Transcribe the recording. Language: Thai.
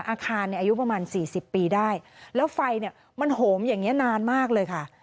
อาคารเนี่ยอายุประมาณสี่สิบปีได้แล้วไฟเนี่ยมันโหมอย่างนี้นานมากเลยค่ะ